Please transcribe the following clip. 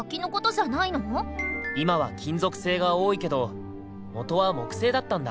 今は金属製が多いけどもとは木製だったんだ。